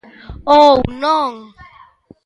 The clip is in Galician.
Ou non...